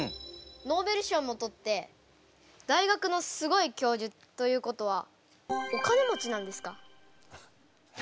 ノーベル賞もとって大学のすごい教授ということはお金持ちなんですか？